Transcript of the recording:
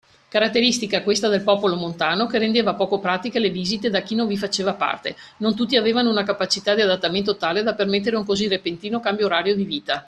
Caratteristica, questa del popolo montano, che rendeva poco pratiche le visite da chi non vi faceva parte: non tutti avevano una capacità di adattamento tale da permettere un così repentino cambio orario di vita.